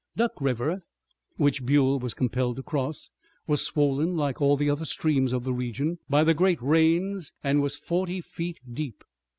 Duck River, which Buell was compelled to cross, was swollen like all the other streams of the region, by the great rains and was forty feet deep.